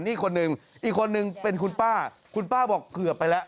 นี่คนหนึ่งอีกคนนึงเป็นคุณป้าคุณป้าบอกเกือบไปแล้ว